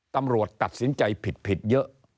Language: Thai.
ตำรวจตัดสินใจผิดเยอะ